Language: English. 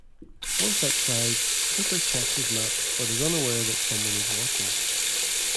Once outside, Cooper checks his map, but is unaware that someone is watching.